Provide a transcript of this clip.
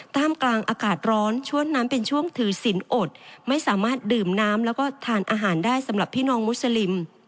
ท่ามกลางอากาศร้อนช่วงนั้นเป็นช่วงถือสินอดไม่สามารถดื่มน้ำแล้วก็ทานอาหารได้สำหรับพี่น้องมุสลิม